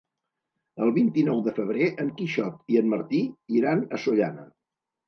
El vint-i-nou de febrer en Quixot i en Martí iran a Sollana.